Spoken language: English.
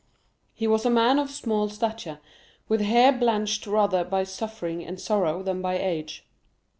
He was a man of small stature, with hair blanched rather by suffering and sorrow than by age.